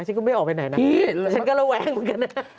ฉันก็ไม่ออกไปไหนนะอี๊ะแล้วก็เหี้ยนั้นฉันก็ระวังเหมือนกันน่ะ